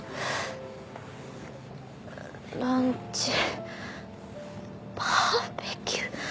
「ランチ」「バーベキュー」。